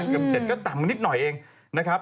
เกือบ๗ก็ต่ำมานิดหน่อยเองนะครับ